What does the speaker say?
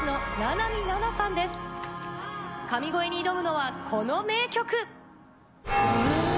神声に挑むのはこの名曲。